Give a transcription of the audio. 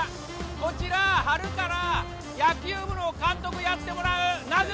こちら春から野球部の監督やってもらう南雲先生